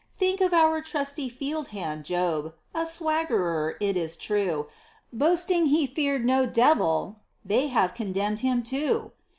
Think of our trusty field hand, Job, a swaggerer, it is true, Boasting he feared no Devil, they have condemned him, too.